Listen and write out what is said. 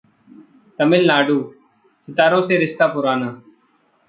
तमिलनाडुः सितारों से रिश्ता पुराना